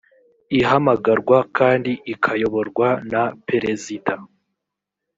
ihamagarwa kandi ikayoborwa na perezida